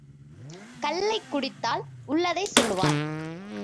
கள்ளைக் குடித்தால் உள்ளதைச் சொல்லுவான்.